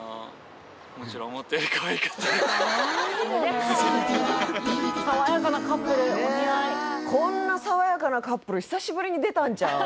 もちろん爽やかなカップルお似合いこんな爽やかなカップル久しぶりに出たんちゃう？